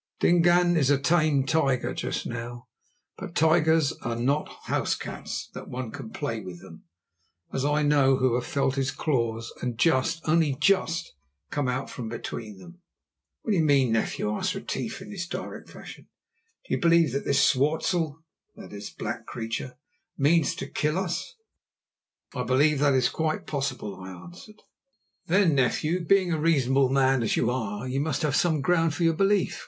Dingaan is a tamed tiger just now, but tigers are not house cats that one can play with them, as I know, who have felt his claws and just, only just, come out from between them." "What do you mean, nephew?" asked Retief in his direct fashion. "Do you believe that this swartzel" (that is, black creature) "means to kill us?" "I believe that it is quite possible," I answered. "Then, nephew, being a reasonable man as you are, you must have some ground for your belief.